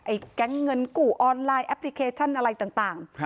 แก๊งเงินกู้ออนไลน์แอปพลิเคชันอะไรต่าง